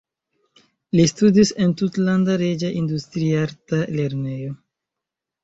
Li studis en Tutlanda Reĝa Industriarta Lernejo.